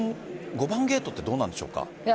５番ゲートってどうなんですか？